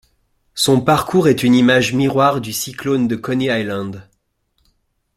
Son parcours est une image miroir du Cyclone de Coney Island.